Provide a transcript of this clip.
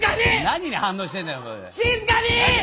何に反応してんだよ。